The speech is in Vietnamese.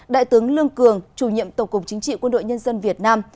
đại tướng lương cường chủ nhiệm tổng cục chính trị quân đội nhân dân việt nam